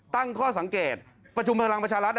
ตั้งข้อสังเกตประชุมพลังประชารัฐ